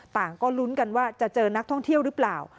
ก็ลุ้นกันว่าจะเจอนักท่องเที่ยวหรือเปล่า